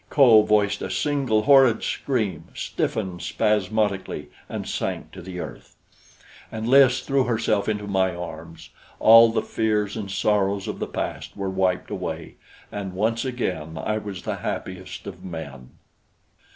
Kho voiced a single horrid scream, stiffened spasmodically and sank to the earth. And Lys threw herself into my arms. All the fears and sorrows of the past were wiped away, and once again I was the happiest of men.